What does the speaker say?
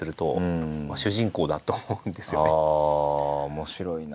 面白いな。